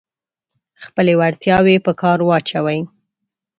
خپلې وړتیاوې په کار واچوئ.